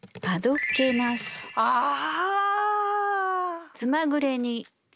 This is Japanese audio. ああ！